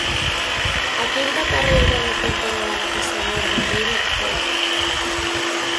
A quinta carreira da temporada na casa de Ramiro Folla.